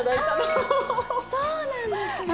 ああそうなんですね。